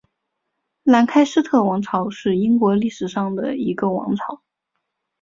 兰开斯特王朝是英国历史上的一个王朝。